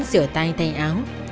rửa tay tay áo